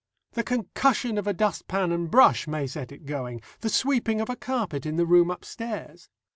The concussion of a dust pan and brush may set it going, the sweeping of a carpet in the room upstairs.